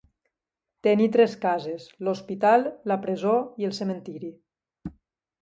Tenir tres cases: l'hospital, la presó i el cementiri.